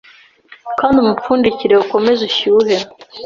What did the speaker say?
kandi uwupfundikire ukomeze ushyuhe.